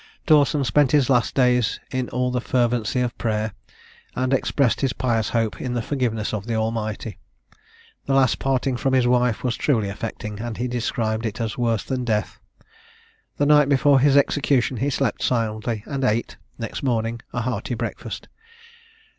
Dawson spent his last days in all the fervency of prayer, and expressed his pious hope in the forgiveness of the Almighty. The last parting from his wife was truly affecting, and he described it as worse than death. The night before his execution he slept soundly, and ate, next morning, a hearty breakfast.